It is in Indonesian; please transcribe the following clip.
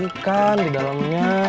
ini kan di dalamnya